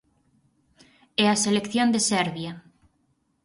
E a selección de Serbia.